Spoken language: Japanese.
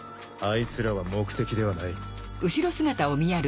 いつらは目的ではない。